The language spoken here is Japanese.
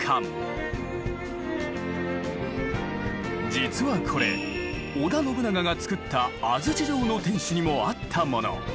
実はこれ織田信長が造った安土城の天主にもあったもの。